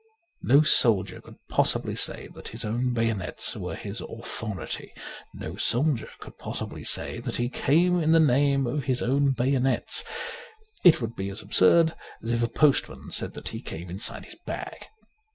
No soldier could possibly say that his own bayonets were his authority. No soldier could possibly say that he came in the name of his own bayonets. It would be as absurd as if a postman said that he came inside his bag.